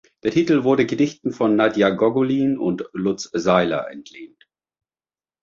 Der Titel wurde Gedichten von Nadja Gogolin und Lutz Seiler entlehnt.